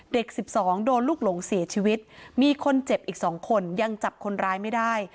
๑๒โดนลูกหลงเสียชีวิตมีคนเจ็บอีก๒คนยังจับคนร้ายไม่ได้